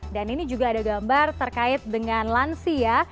ini juga ada gambar terkait dengan lansia